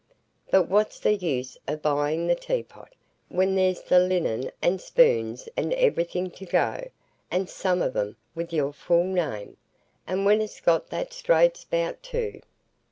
But what's the use o' buying the teapot, when there's the linen and spoons and everything to go, and some of 'em with your full name,—and when it's got that straight spout, too."